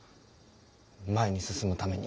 前に進むために。